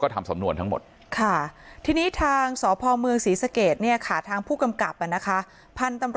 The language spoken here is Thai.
ก็ทำสำนวนทั้งหมดค่ะที่นี้ทางสพมเมืองสีเสะเกดเนี่ยขาดทางผู้กำกับมันนะคะพันธุ์